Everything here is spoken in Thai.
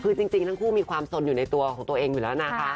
คือจริงทั้งคู่มีความสนอยู่ในตัวของตัวเองอยู่แล้วนะคะ